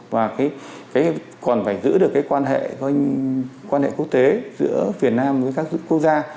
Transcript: và còn phải giữ được cái quan hệ quốc tế giữa việt nam với các quốc gia